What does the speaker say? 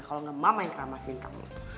kalo engga mama yang kramasin kamu